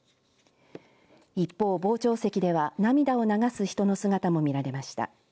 一方、傍聴席では涙を流す人の姿も見られました。